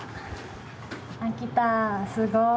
すごい。